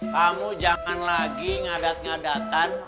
kamu jangan lagi ngadat ngadatan